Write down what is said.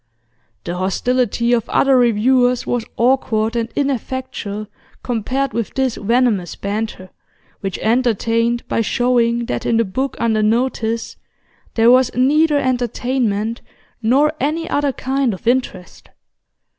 The hostility of other reviewers was awkward and ineffectual compared with this venomous banter, which entertained by showing that in the book under notice there was neither entertainment nor any other kind of interest.